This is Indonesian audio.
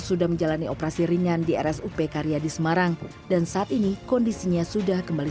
sudah menjalani operasi ringan di rs up karya di semarang dan saat ini kondisinya sudah kembali